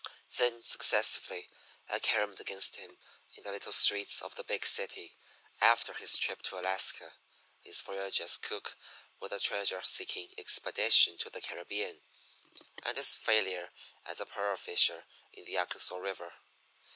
Then, successively, I caromed against him in the little streets of the Big City after his trip to Alaska, his voyage as cook with a treasure seeking expedition to the Caribbean, and his failure as a pearl fisher in the Arkansas River.